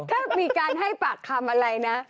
ถ้ามีการให้ปากคำอะไรนะ